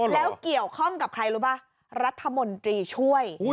แล้วเกี่ยวข้องกับใครรู้ป่ะรัฐมนตรีช่วย